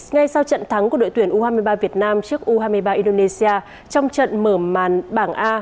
ngay sau trận thắng của đội tuyển u hai mươi ba việt nam trước u hai mươi ba indonesia trong trận mở màn bảng a